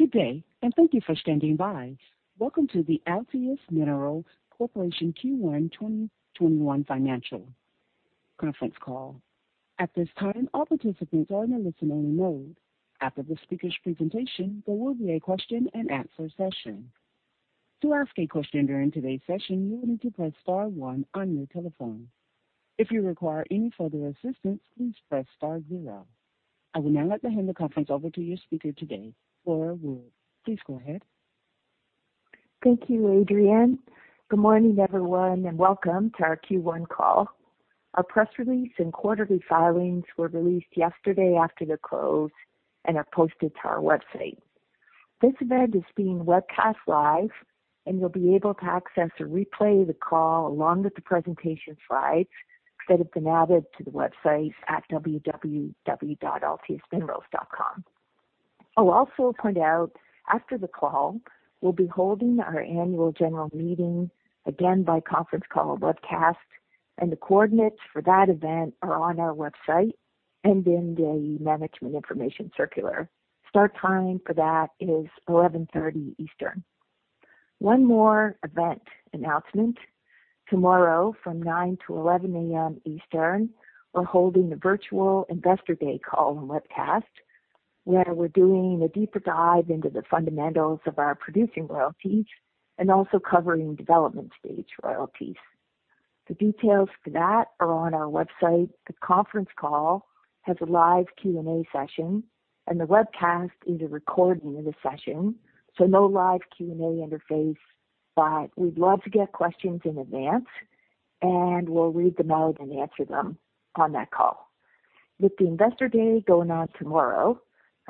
Good day, and thank you for standing by. Welcome to the Altius Minerals Corporation Q1 2021 financial conference call. At this time, all participants are in a listen-only mode. After the speaker's presentation, there will be a question-and-answer session. To ask a question during today's session, you will need to press star one on your telephone. If you require any further assistance, please press star zero. I will now hand the conference over to your speaker today, Flora Wood. Please go ahead. Thank you, Adrienne. Good morning, everyone, and welcome to our Q1 call. Our press release and quarterly filings were released yesterday after the close and are posted to our website. This event is being webcast live, and you'll be able to access a replay of the call along with the presentation slides that have been added to the website at www.altiusminerals.com. I'll also point out, after the call, we'll be holding our annual general meeting, again by conference call or webcast, and the coordinates for that event are on our website and in the management information circular. Start time for that is 11:30 A.M. Eastern. One more event announcement. Tomorrow from 9:00 A.M.-11:00 A.M. Eastern, we're holding a virtual investor day call and webcast, where we're doing a deeper dive into the fundamentals of our producing royalties and also covering development stage royalties. The details for that are on our website. The conference call has a live Q&A session. The webcast is a recording of the session, so no live Q&A interface. We'd love to get questions in advance. We'll read them out and answer them on that call. With the investor day going on tomorrow,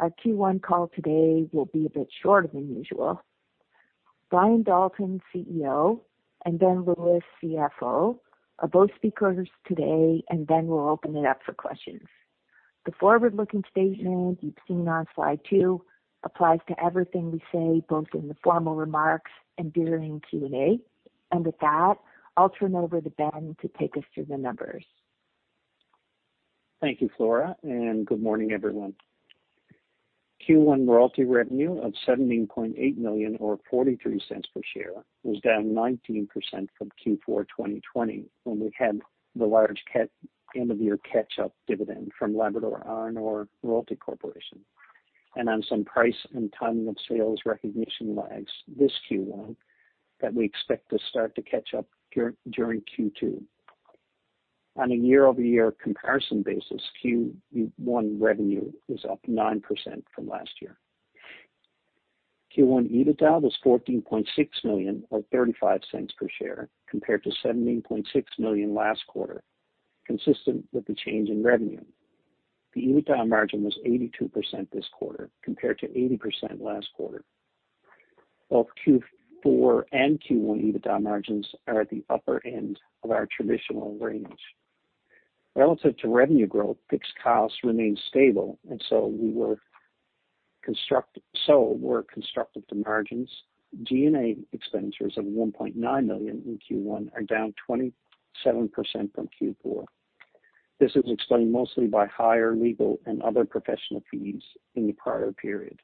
our Q1 call today will be a bit shorter than usual. Brian Dalton, CEO, Ben Lewis, CFO, are both speakers today. Then we'll open it up for questions. The forward-looking statements you've seen on slide two applies to everything we say, both in the formal remarks and during the Q&A. With that, I'll turn over to Ben to take us through the numbers. Thank you, Flora, and good morning, everyone. Q1 royalty revenue of 17.8 million or 0.43 per share was down 19% from Q4 2020 when we had the large end-of-year catch-up dividend from Labrador Iron Ore Royalty Corporation. On some price and timing of sales recognition lags this Q1 that we expect to start to catch up during Q2. On a year-over-year comparison basis, Q1 revenue was up 9% from last year. Q1 EBITDA was 14.6 million or 0.35 per share compared to 17.6 million last quarter, consistent with the change in revenue. The EBITDA margin was 82% this quarter compared to 80% last quarter. Both Q4 and Q1 EBITDA margins are at the upper end of our traditional range. Relative to revenue growth, fixed costs remained stable, and so were constructive to margins. G&A expenditures of 1.9 million in Q1 are down 27% from Q4. This is explained mostly by higher legal and other professional fees in the prior period.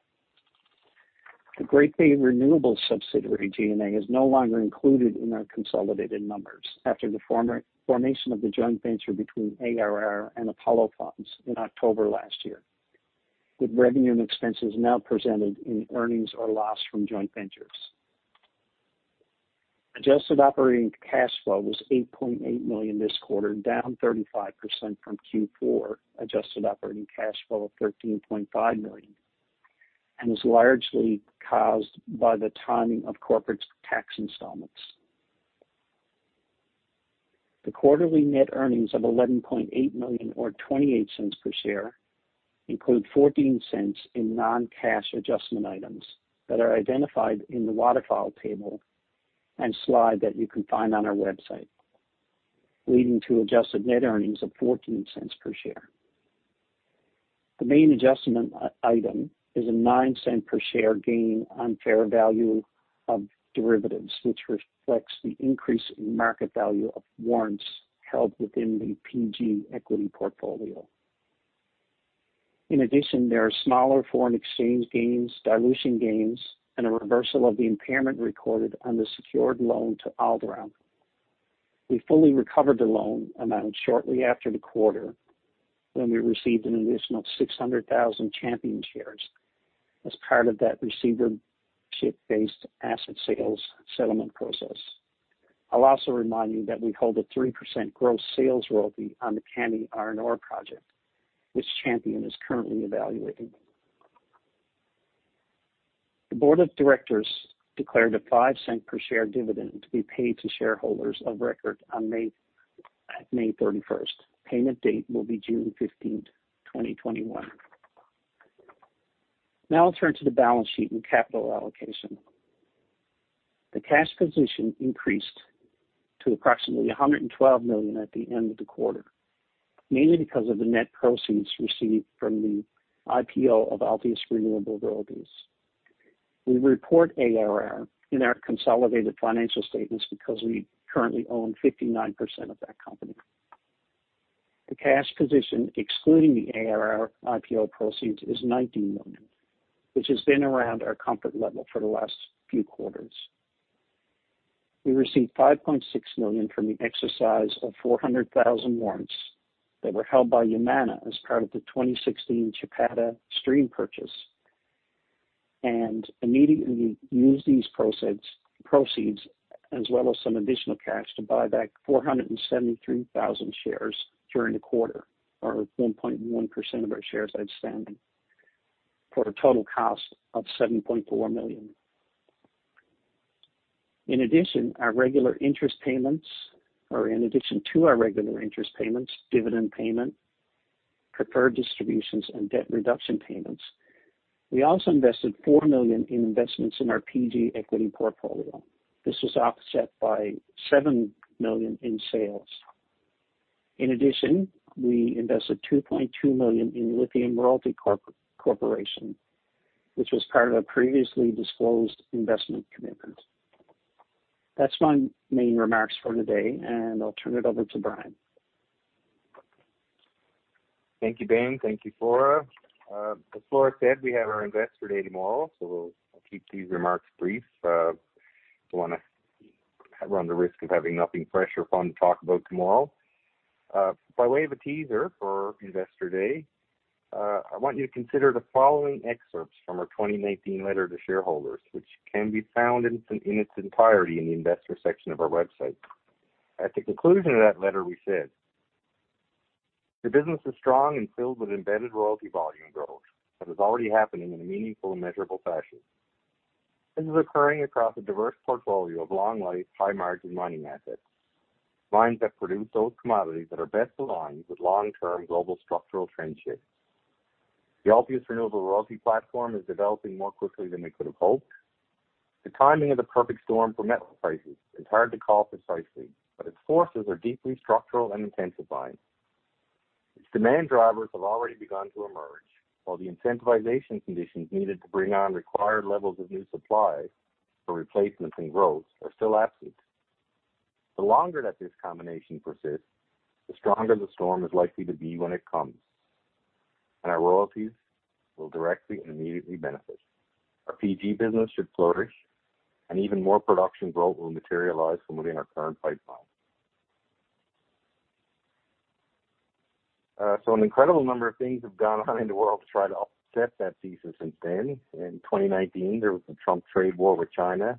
The Great Bay Renewables subsidiary G&A is no longer included in our consolidated numbers after the formation of the joint venture between ARR and Apollo Funds in October last year, with revenue and expenses now presented in earnings or loss from joint ventures. Adjusted operating cash flow was 8.8 million this quarter, down 35% from Q4 adjusted operating cash flow of 13.5 million, and was largely caused by the timing of corporate tax installments. The quarterly net earnings of 11.8 million or 0.28 per share include 0.14 in non-cash adjustment items that are identified in the waterfall table and slide that you can find on our website, leading to adjusted net earnings of 0.14 per share. The main adjustment item is a 0.09 per share gain on fair value of derivatives, which reflects the increase in market value of warrants held within the PG equity portfolio. In addition, there are smaller foreign exchange gains, dilution gains, and a reversal of the impairment recorded on the secured loan to Alderon. We fully recovered the loan amount shortly after the quarter when we received an additional 600,000 Champion shares as part of that receivership-based asset sales settlement process. I'll also remind you that we hold a 3% gross sales royalty on the Kami iron ore project, which Champion is currently evaluating. The board of directors declared a 0.05 per share dividend to be paid to shareholders of record on May 31st. Payment date will be June 15th, 2021. Now I'll turn to the balance sheet and capital allocation. The cash position increased to approximately 112 million at the end of the quarter, mainly because of the net proceeds received from the IPO of Altius Renewable Royalties. We report ARR in our consolidated financial statements because we currently own 59% of that company. The cash position, excluding the ARR IPO proceeds, is 19 million, which has been around our comfort level for the last few quarters. We received 5.6 million from the exercise of 400,000 warrants that were held by Yamana as part of the 2016 Chapada stream purchase, and immediately used these proceeds, as well as some additional cash, to buy back 473,000 shares during the quarter, or 1.1% of our shares outstanding, for a total cost of 7.4 million. In addition to our regular interest payments, dividend payment, preferred distributions, and debt reduction payments, we also invested 4 million in investments in our PG equity portfolio. This was offset by 7 million in sales. We invested 2.2 million in Lithium Royalty Corp., which was part of a previously disclosed investment commitment. That's my main remarks for the day, and I'll turn it over to Brian. Thank you, Ben. Thank you, Flora. As Flora said, we have our Investor Day tomorrow. I'll keep these remarks brief. Don't want to run the risk of having nothing fresh or fun to talk about tomorrow. By way of a teaser for Investor Day, I want you to consider the following excerpts from our 2019 Letter to Shareholders, which can be found in its entirety in the investor section of our website. At the conclusion of that Letter, we said, "The business is strong and filled with embedded royalty volume growth that is already happening in a meaningful and measurable fashion. This is occurring across a diverse portfolio of long-life, high-margin mining assets, mines that produce those commodities that are best aligned with long-term global structural trend shifts. The Altius Renewable Royalties platform is developing more quickly than we could have hoped. The timing of the perfect storm for metal prices is hard to call precisely, but its forces are deeply structural and intensifying. Its demand drivers have already begun to emerge, while the incentivization conditions needed to bring on required levels of new supply for replacements and growth are still absent. The longer that this combination persists, the stronger the storm is likely to be when it comes, and our royalties will directly and immediately benefit. Our PG business should flourish, and even more production growth will materialize from within our current pipeline. An incredible number of things have gone on in the world to try to offset that thesis since then. In 2019, there was the Trump trade war with China,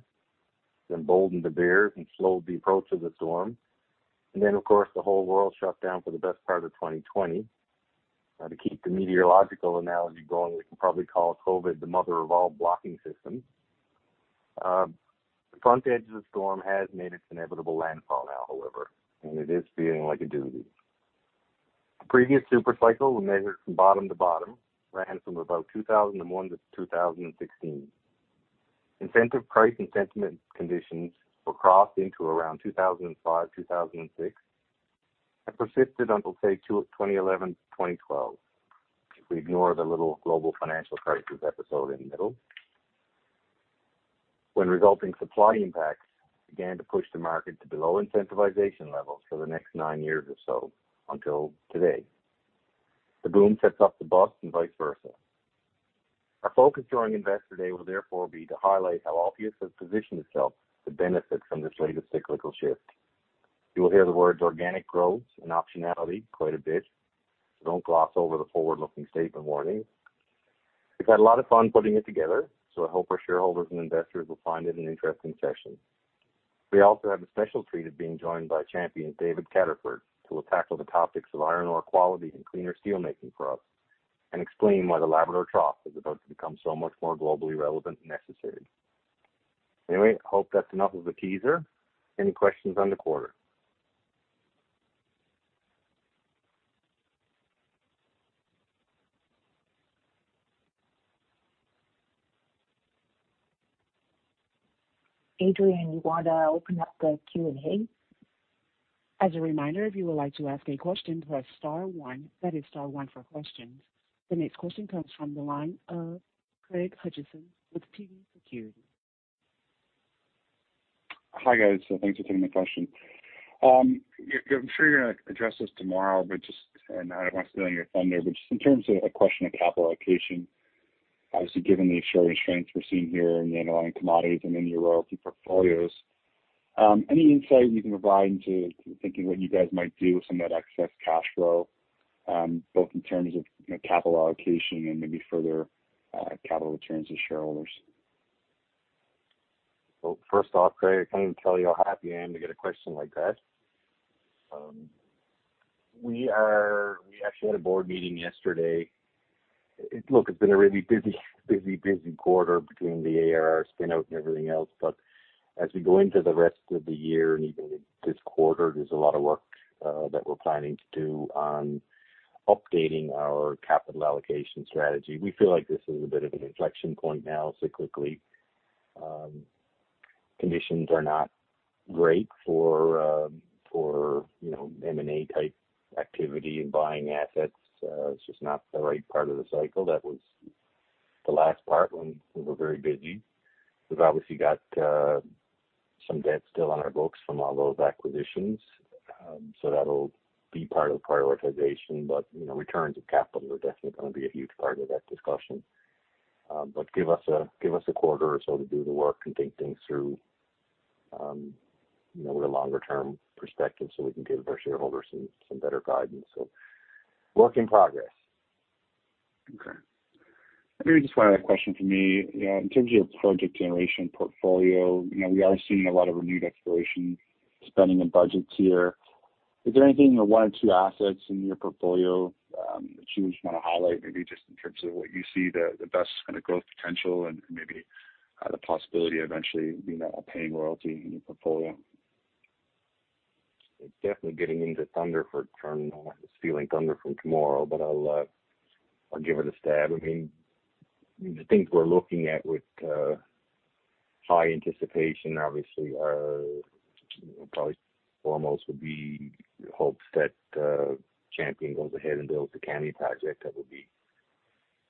which emboldened the bears and slowed the approach of the storm. Then, of course, the whole world shut down for the best part of 2020. To keep the meteorological analogy going, we can probably call COVID the mother of all blocking systems. The front edge of the storm has made its inevitable landfall now, however, and it is feeling like a doozy. The previous super cycle, when measured from bottom to bottom, ran from about 2001 to 2016. Incentive price and sentiment conditions were crossed into around 2005, 2006, and persisted until, say, 2011-2012, if we ignore the little global financial crisis episode in the middle, when resulting supply impacts began to push the market to below incentivization levels for the next nine years or so until today. The boom sets off the bust and vice versa. Our focus during Investor Day will therefore be to highlight how Altius has positioned itself to benefit from this latest cyclical shift. You will hear the words organic growth and optionality quite a bit, don't gloss over the forward-looking statement warning. We've had a lot of fun putting it together. I hope our shareholders and investors will find it an interesting session. We also have the special treat of being joined by Champion, David Cataford, who will tackle the topics of iron ore quality and cleaner steel making for us and explain why the Labrador Trough is about to become so much more globally relevant and necessary. Hope that's enough of a teaser. Any questions on the quarter? Adrienne, you want to open up the Q&A? As a reminder, if you would like to ask a question, press star one. That is star one for questions. The next question comes from the line of Craig Hutchison with TD Securities. Hi, guys. Thanks for taking the question. I'm sure you're going to address this tomorrow, and I don't want to steal any of your thunder, but just in terms of a question of capital allocation, obviously, given the extraordinary strength we're seeing here in the underlying commodities and in your royalty portfolios, any insight you can provide into thinking what you guys might do with some of that excess cash flow, both in terms of capital allocation and maybe further capital returns to shareholders? Well, first off, Craig, I can't even tell you how happy I am to get a question like that. We actually had a board meeting yesterday. Look, it's been a really busy quarter between the ARR spin-out and everything else. As we go into the rest of the year and even this quarter, there's a lot of work that we're planning to do on updating our capital allocation strategy. We feel like this is a bit of an inflection point now cyclically. Conditions are not great for M&A type activity and buying assets. It's just not the right part of the cycle. That was the last part when we were very busy. We've obviously got some debt still on our books from all those acquisitions. That'll be part of the prioritization. Returns of capital are definitely going to be a huge part of that discussion. Give us a quarter or so to do the work and think things through with a longer-term perspective so we can give our shareholders some better guidance. Work in progress. Okay. Maybe just one other question from me. In terms of your project generation portfolio, we are seeing a lot of renewed exploration spending and budgets here. Is there anything, one or two assets in your portfolio that you would want to highlight, maybe just in terms of what you see the best kind of growth potential and maybe the possibility of eventually being a paying royalty in your portfolio? It's definitely getting into thunder for turning. I don't want to steal any thunder from tomorrow, I'll give it a stab. The things we're looking at with high anticipation obviously are probably foremost, would be hopes that Champion goes ahead and builds the Kami project. That would be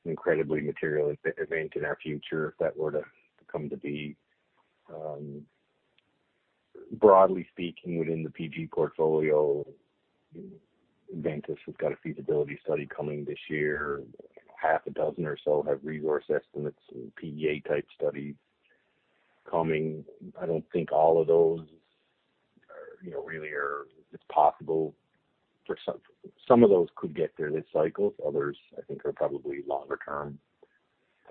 an incredibly material event in our future if that were to come to be. Broadly speaking, within the PG portfolio, Adventus has got a feasibility study coming this year. Half a dozen or so have resource estimates and PEA-type studies coming. I don't think all of those really are it's possible for some. Some of those could get there this cycle. Others, I think, are probably longer term.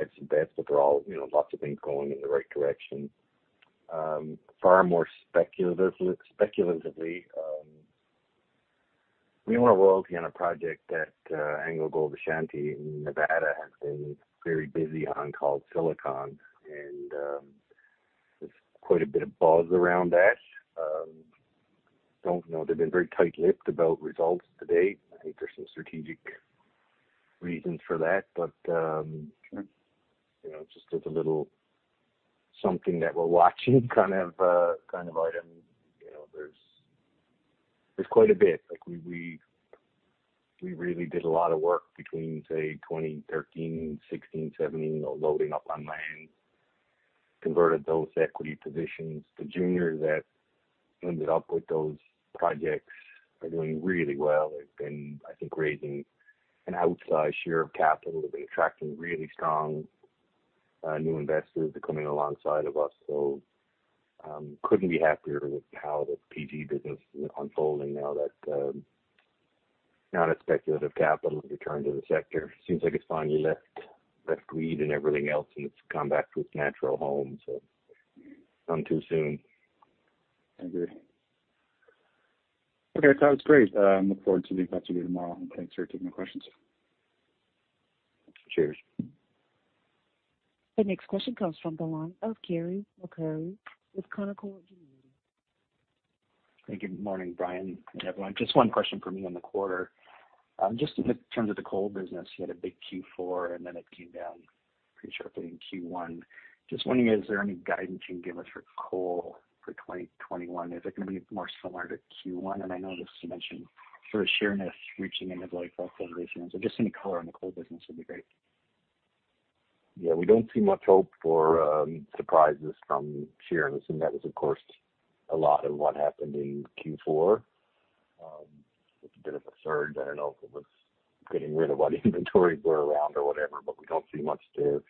I'd say that's what they're all, lots of things going in the right direction. Far more speculatively, we want a royalty on a project that AngloGold Ashanti in Nevada has been very busy on, called Silicon, and there's quite a bit of buzz around that. Don't know. They've been very tight-lipped about results to date. I think there's some strategic reasons for that. Sure Just as a little something that we're watching kind of item. There's quite a bit. We really did a lot of work between, say, 2013, 2016, 2017, loading up on land, converted those equity positions. The juniors that ended up with those projects are doing really well. They've been, I think, raising an outsized share of capital. They've been attracting really strong new investors. They're coming alongside of us. Couldn't be happier with how the PG business is unfolding now that speculative capital has returned to the sector. Seems like it's finally left weed and everything else, and it's come back to its natural home. It's none too soon. Agreed. Okay. That was great. I look forward to the investor day tomorrow. Thanks for taking my questions. Cheers. The next question comes from the line of Carey MacRury with Canaccord Genuity. Hey, good morning, Brian and everyone. Just one question from me on the quarter. Just in terms of the coal business, you had a big Q4, then it came down pretty sharply in Q1. Just wondering, is there any guidance you can give us for coal for 2021? Is it going to be more similar to Q1? I noticed you mentioned for Sheerness reaching the end-of-life authorization. Just any color on the coal business would be great. We don't see much hope for surprises from Sheerness, and that was, of course, a lot of what happened in Q4. It's a bit of a surge. I don't know if it was getting rid of what inventories were around or whatever, we don't see much there.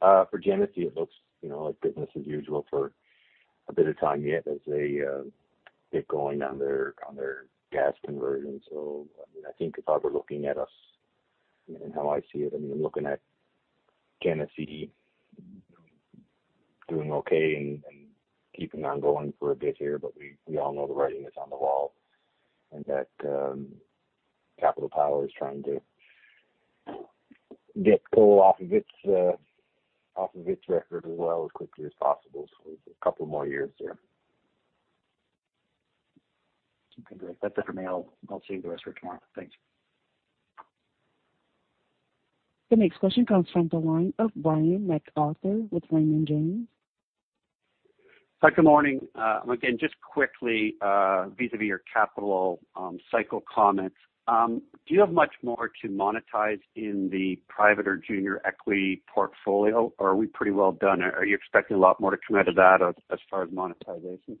For Genesee, it looks like business as usual for a bit of time yet as they get going on their gas conversion. I think it's how we're looking at us and how I see it. I mean, looking at Genesee doing okay and keeping on going for a bit here, we all know the writing is on the wall and that Capital Power is trying to get coal off of its record as well, as quickly as possible. There's a couple more years there. Okay, great. That's it for me. I'll save the rest for tomorrow. Thanks. The next question comes from the line of Brian MacArthur with Raymond James. Hi, good morning. Just quickly, vis-à-vis your capital cycle comments, do you have much more to monetize in the private or junior equity portfolio, or are we pretty well done? Are you expecting a lot more to come out of that as far as monetization?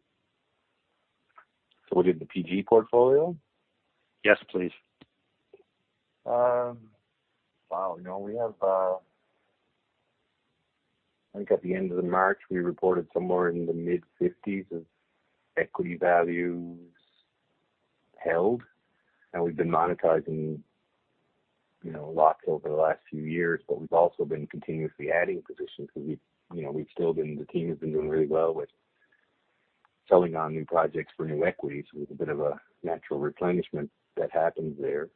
Within the PG portfolio? Yes, please. Wow. I think at the end of the March, we reported somewhere in the mid-50s of equity values held, and we've been monetizing lots over the last few years. We've also been continuously adding positions because the team has been doing really well with selling on new projects for new equities with a bit of a natural replenishment that happens there.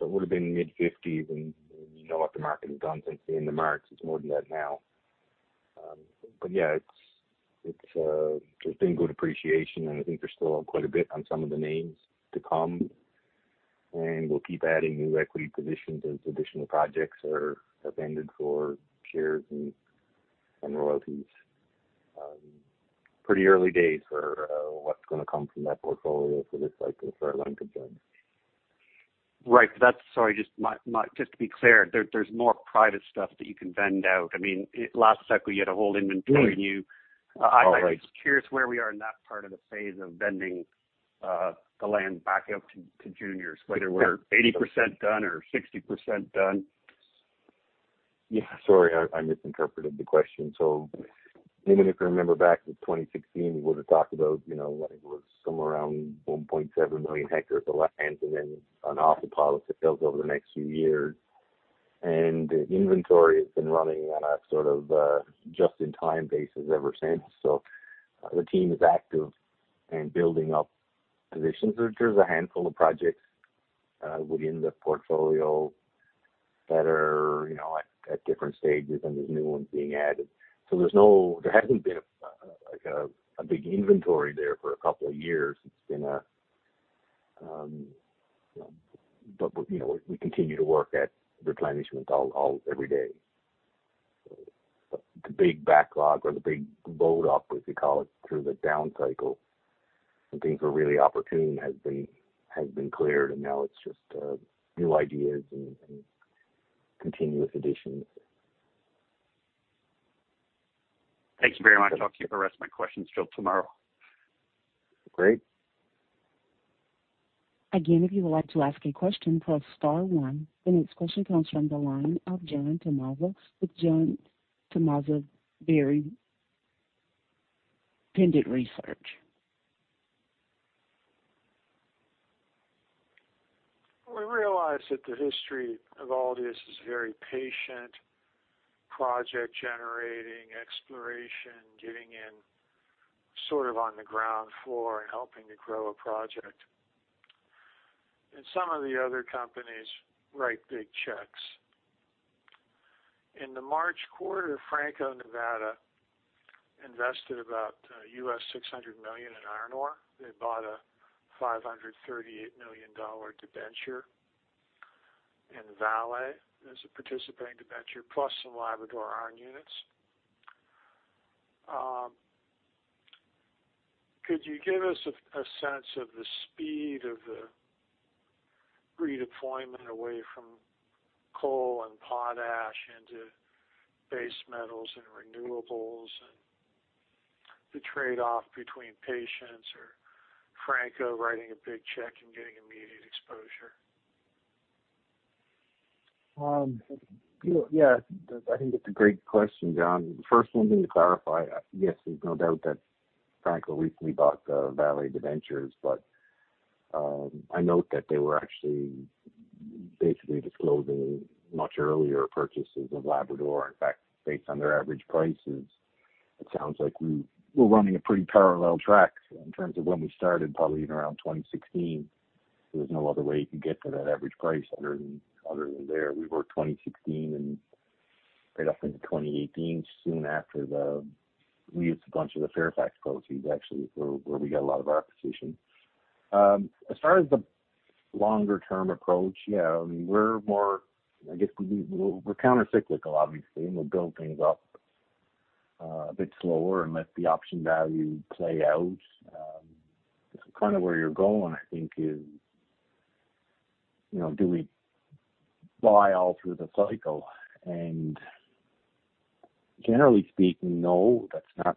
It would have been mid-50s, and you know what the market has done since the end of March. It's more than that now. Yeah, there's been good appreciation, and I think there's still quite a bit on some of the names to come, and we'll keep adding new equity positions as additional projects are upended for shares and royalties. Pretty early days for what's going to come from that portfolio for this cycle as far as land concerns. Right. Sorry, just to be clear, there is more private stuff that you can vend out. Last cycle, you had a whole inventory. Right. I'm curious where we are in that part of the phase of vending the land back out to juniors, whether we're 80% done or 60% done. Yeah, sorry, I misinterpreted the question. Even if you remember back to 2016, we would've talked about what it was, somewhere around 1.7 million ha of land sitting on autopilot to build over the next few years. Inventory has been running on a sort of a just in time basis ever since. The team is active in building up positions. There's a handful of projects within the portfolio that are at different stages, and there's new ones being added. There hasn't been a big inventory there for a couple of years. We continue to work at replenishment every day. The big backlog or the big load up, as we call it, through the down cycle when things were really opportune, has been cleared, and now it's just new ideas and continuous additions. Thank you very much. I'll keep the rest of my questions till tomorrow. Great. Again, if you would like to ask a question, press star one. The next question comes from the line of John Tumazos with John Tumazos Very Independent Research. We realize that the history of all this is very patient, project generating, exploration, getting in sort of on the ground floor, and helping to grow a project. Some of the other companies write big checks. In the March quarter, Franco-Nevada invested about $600 million in iron ore. They bought a $538 million debenture in Vale as a participating debenture plus some Labrador iron units. Could you give us a sense of the speed of the redeployment away from coal and potash into base metals and renewables, and the trade-off between patience or Franco writing a big check and getting immediate exposure? Yeah. I think it's a great question, John. First one, let me clarify. Yes, there's no doubt that Franco recently bought the Vale debentures, but I note that they were actually basically disclosing much earlier purchases of Labrador. In fact, based on their average prices, it sounds like we're running a pretty parallel track in terms of when we started, probably around 2016. There was no other way you could get to that average price other than there. We were 2016 and right up into 2018, soon after we used a bunch of the Fairfax royalties, actually, where we got a lot of our position. As far as the longer-term approach, we're counter cyclical, obviously, and we'll build things up a bit slower and let the option value play out. Kind of where you're going, I think, is do we buy all through the cycle? Generally speaking, no, that's not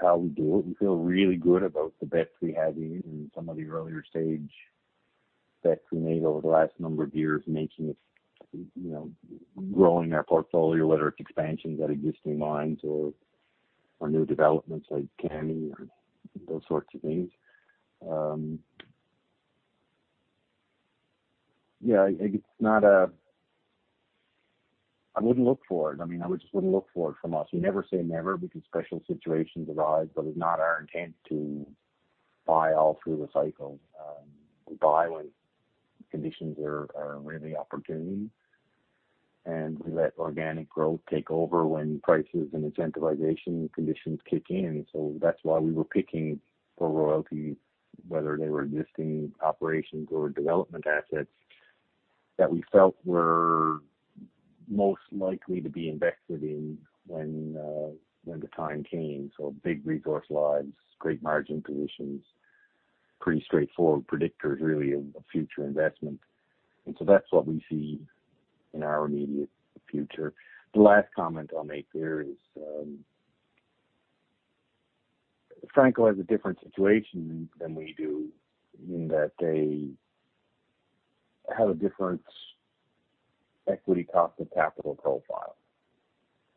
how we do it. We feel really good about the bets we have in some of the earlier-stage bets we made over the last number of years, growing our portfolio, whether it's expansions at existing mines or new developments like Kami or those sorts of things. I wouldn't look for it. I just wouldn't look for it from us. We never say never because special situations arise, but it's not our intent to buy all through the cycle. We buy when conditions are really opportune, and we let organic growth take over when prices and incentivization conditions kick in. That's why we were picking for royalties, whether they were existing operations or development assets, that we felt were most likely to be invested in when the time came. Big resource lives, great margin positions, pretty straightforward predictors, really, of future investment. That's what we see in our immediate future. The last comment I'll make there is Franco has a different situation than we do in that they have a different equity cost of capital profile,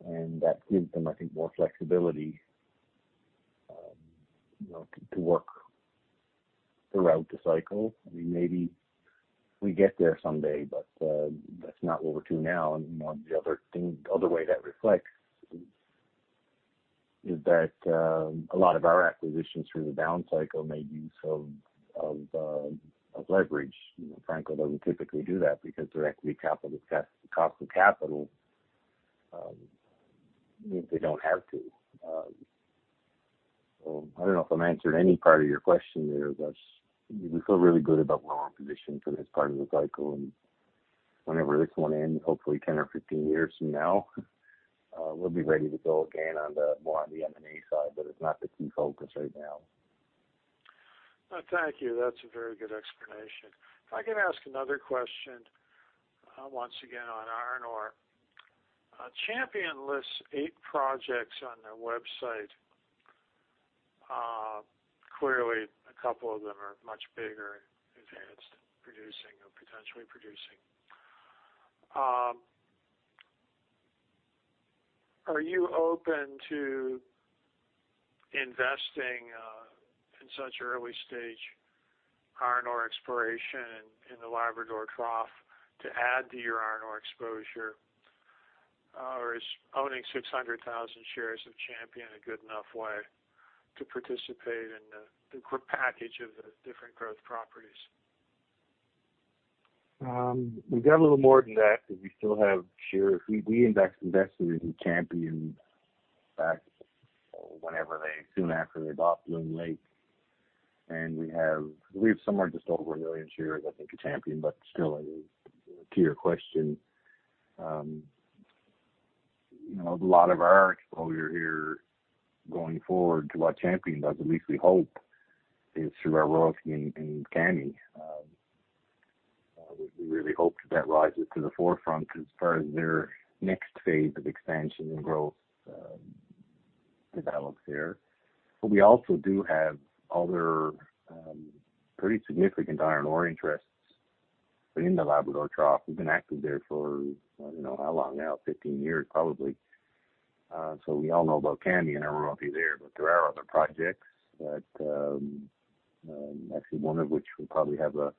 and that gives them, I think, more flexibility to work throughout the cycle. Maybe we get there someday, but that's not what we're doing now. The other way that reflects is that a lot of our acquisitions through the down cycle made use of leverage. Franco doesn't typically do that because their equity cost of capital means they don't have to. I don't know if I'm answering any part of your question there, but we feel really good about where our position for this part of the cycle, and whenever this one end, hopefully 10 or 15 years from now, we'll be ready to go again on the more M&A side. It's not the key focus right now. Thank you. That's a very good explanation. If I could ask another question, once again on iron ore. Champion lists eight projects on their website. Clearly, a couple of them are much bigger, advanced, producing or potentially producing. Are you open to investing in such early-stage iron ore exploration in the Labrador Trough to add to your iron ore exposure? Is owning 600,000 shares of Champion a good enough way to participate in the package of the different growth properties? We've got a little more than that because we still have shares. We indexed invested into Champion back soon after they bought Bloom Lake. We have, I believe, somewhere just over a million shares, I think, of Champion. Still, to your question, a lot of our exposure here going forward to what Champion does, at least we hope, is through our royalty in Kami. We really hope that that rises to the forefront as far as their next phase of expansion and growth develops there. We also do have other pretty significant iron ore interests within the Labrador Trough. We've been active there for, I don't know how long now, 15 years probably. We all know about Kami and our royalty there, but there are other projects, actually, one of which will probably have a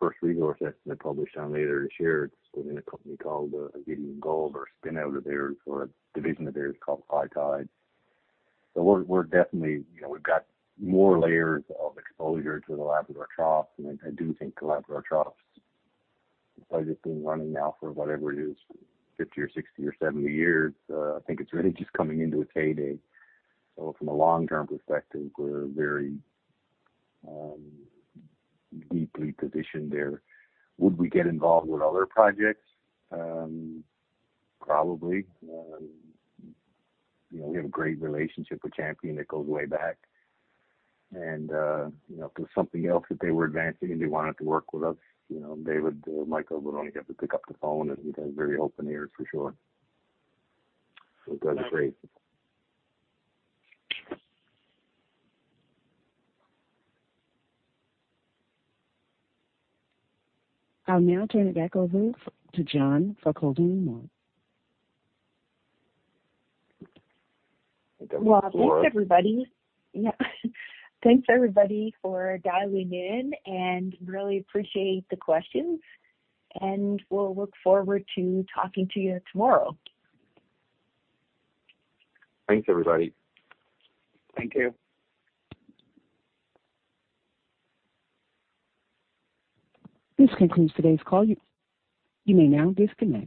first resource estimate published on later this year. It's within a company called Avidian Gold or a spin out of theirs, or a division of theirs called High Tide. We've got more layers of exposure to the Labrador Trough, and I do think the Labrador Trough, despite it being running now for whatever it is, 50 or 60 or 70 years, I think it's really just coming into its heyday. From a long-term perspective, we're very deeply positioned there. Would we get involved with other projects? Probably. We have a great relationship with Champion that goes way back. If there's something else that they were advancing and they wanted to work with us, David or Michael would only have to pick up the phone, and we'd have very open ears for sure. It's been great. I'll now turn it back over to John for closing remarks. I think that was Flora Wood. Well, thanks, everybody. Yeah. Thanks, everybody, for dialing in, and I really appreciate the questions. We'll look forward to talking to you tomorrow. Thanks, everybody. Thank you. This concludes today's call. You may now disconnect.